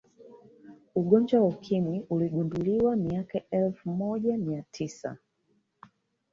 ugonjwa wa ukimwi uligunduliwa miaka ya elfu moja mia tisa